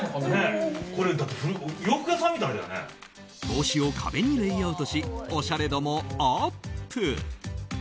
帽子を壁にレイアウトしおしゃれ度もアップ。